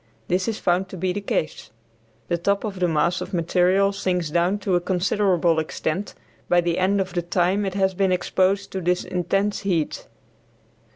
This is found to be the case. The top of the mass of material sinks down to a considerable extent by the end of the time it has been exposed to this intense heat.